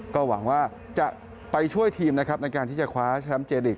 ก็หวังว่าจะไปช่วยทีมนะครับในการที่จะคว้าแชมป์เจริก